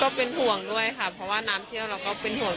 ก็เป็นห่วงด้วยค่ะเพราะว่าน้ำเชี่ยวเราก็เป็นห่วง